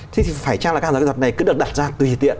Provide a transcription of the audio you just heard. thì phải chăng là các hàng giáo kỹ thuật này cứ được đặt ra tùy tiện